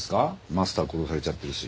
マスター殺されちゃってるし。